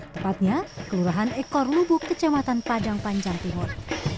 tepatnya kelurahan ekor lubuk kecamatan padang panjang timur